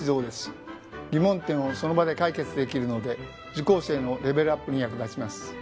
疑問点をその場で解決できるので受講生のレベルアップに役立ちます。